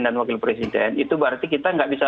dan wakil presiden itu berarti kita tidak bisa